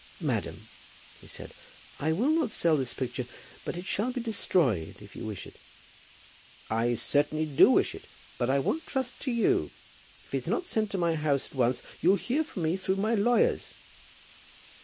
"Madam," he said, "I will not sell this picture; but it shall be destroyed, if you wish it." "I certainly do wish it, but I won't trust to you. If it's not sent to my house at once you'll hear from me through my lawyers."